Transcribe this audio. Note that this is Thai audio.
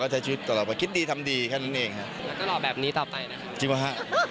งาวอะไรไงงาวแล้วไม่งาวมันทำงาน